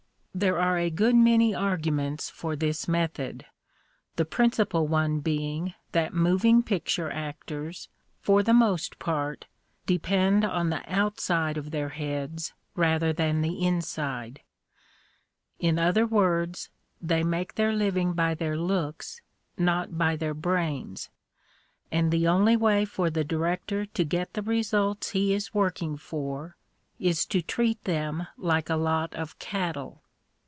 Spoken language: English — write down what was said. There are a good many arguments for this method, the principal one being that moving picture actors, for the most part, depend on the outside of their heads rather than the inside — in other words, they make their living by their looks, not by their brains, and the only way for the director to get the results he is working for is to treat them like a lot of cattle.